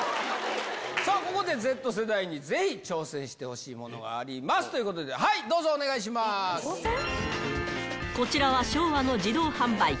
さあ、ここでＺ世代にぜひ挑戦してほしいものがあります、ということで、こちらは、昭和の自動販売機。